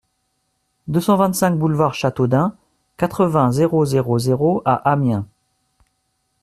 deux cent vingt-cinq boulevard Chateaudun, quatre-vingts, zéro zéro zéro à Amiens